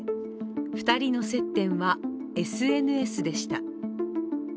２人の接点は、ＳＮＳでした。